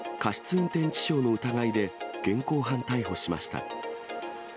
運転致傷の疑いで、現行犯逮捕しました。